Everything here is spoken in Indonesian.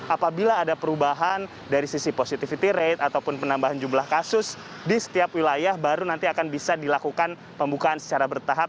apabila ada perubahan dari sisi positivity rate ataupun penambahan jumlah kasus di setiap wilayah baru nanti akan bisa dilakukan pembukaan secara bertahap